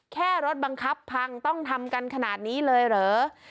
แค่รถบังคับพังต้องทำกันขนาดนี้เลยเหรอ